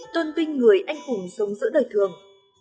tôn tuyên người anh hùng sống giữa đời thường